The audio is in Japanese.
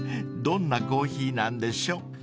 ［どんなコーヒーなんでしょう？］